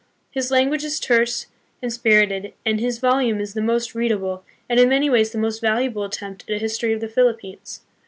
His language is terse and spirited, and his volume is the most readable and, in many ways, the most valuable attempt at a history of the Philippines.